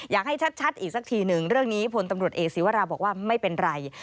อยากให้ชัดอีกสักทีหนึ่งเรื่องนี้พลตำรวจเอกศีวราบอกว่าไม่เป็นไร